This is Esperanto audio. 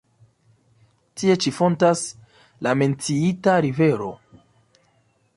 Tie ĉi fontas la menciita rivero.